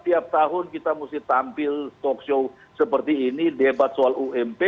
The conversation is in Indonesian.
setiap tahun kita mesti tampil talk show seperti ini debat soal ump